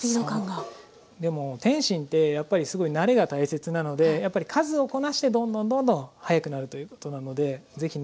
でも点心ってやっぱりすごい慣れが大切なのでやっぱり数をこなしてどんどんどんどん速くなるということなので是非ね